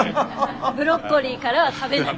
ブロッコリーからは食べない。